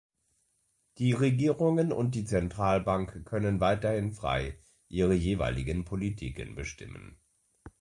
Die Regierungen und die Zentralbank können weiterhin frei ihre jeweiligen Politiken bestimmen.